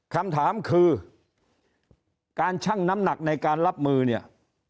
คำถามคือการชั่งน้ำหนักในการรับมือเนี่ย